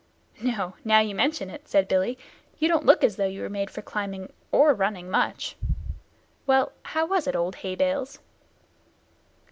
"No. Now you mention it," said Billy, "you don't look as though you were made for climbing or running much. Well, how was it, old Hay bales?"